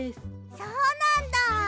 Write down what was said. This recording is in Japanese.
そうなんだ。